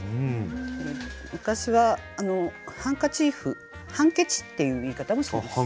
昔はハンカチーフ「ハンケチ」っていう言い方もします。